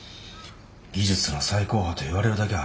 技術の最高峰て言われるだけあるわ。